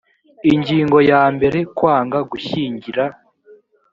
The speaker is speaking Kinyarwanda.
ingingo ya mbere kwanga gushyingira